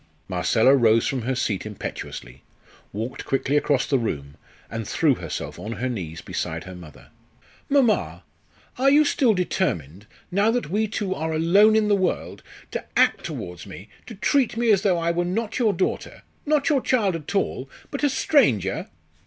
Marcella rose from her seat impetuously, walked quickly across the room, and threw herself on her knees beside her mother. "Mamma, are you still determined now that we two are alone in the world to act towards me, to treat me as though I were not your daughter not your child at all, but a stranger?"